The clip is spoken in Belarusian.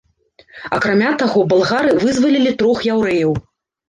Акрамя таго, балгары вызвалілі трох яўрэяў.